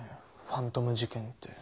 ファントム事件って。